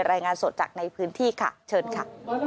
รายงานสดจากในพื้นที่ค่ะเชิญค่ะ